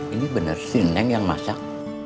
ini bener sih neng yang masak